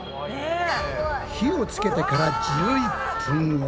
火をつけてから１１分後。